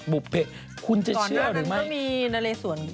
บุภเภยคุณจะเชื่อหรือไม่ก่อนหน้านั้นเขามีนะเลสวน